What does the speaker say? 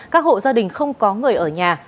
các hộ gia đình không có người ở nhà